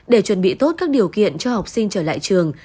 để chuẩn bị tốt các điều kiện cho học sinh trở lại trường